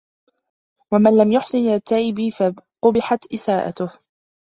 وَمَنْ لَمْ يُحْسِنْ إلَى التَّائِبِ قَبُحَتْ إسَاءَتُهُ